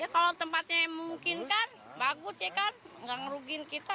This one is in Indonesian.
ya kalau tempatnya mungkin kan bagus ya kan nggak ngerugin kita